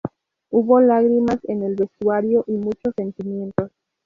Hubo lágrimas en el vestuario y muchos sentimientos.